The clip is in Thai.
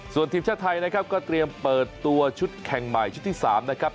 ส่วนทีมชาติไทยนะครับก็เตรียมเปิดตัวชุดแข่งใหม่ชุดที่๓นะครับ